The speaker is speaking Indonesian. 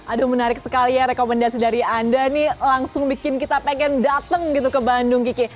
aduh menarik sekali ya rekomendasi dari anda nih langsung bikin kita pengen dateng gitu ke bandung kiki